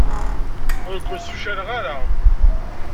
Ur ken-sefcaleɣ ara.